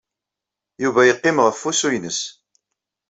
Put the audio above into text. Yuba yeqqim ɣef wusu-nnes.